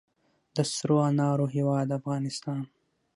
د سرو انارو هیواد افغانستان.